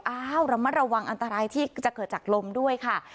อ้าวระมัดระวังอันตรายที่จะเกิดจากลมด้วยค่ะ